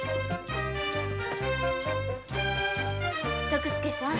徳助さん